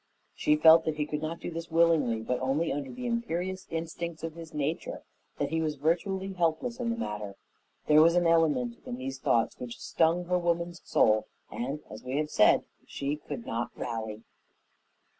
She felt that he could not do this willingly but only under the imperious instincts of his nature that he was virtually helpless in the matter. There was an element in these thoughts which stung her woman's soul, and, as we have said, she could not rally.